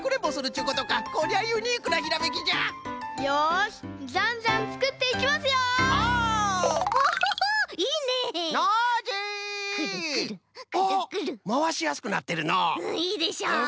うんいいでしょ。